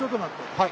はい。